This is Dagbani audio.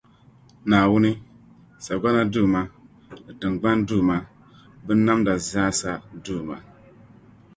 Naawuni, sagbana Duuma, ni tiŋgbani duuma, binnamda zaasa duuma.